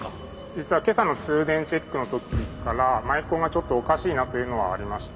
実は今朝の通電チェックの時からマイコンがちょっとおかしいなというのはありました。